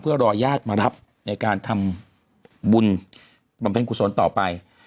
เพื่อรอญาติมารับในการทำบุญบำเพ็ญกุศลต่อไป